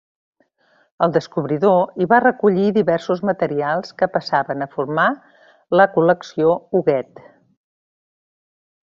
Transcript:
El descobridor hi va recollir diversos materials que passaren a formar la col·lecció Huguet.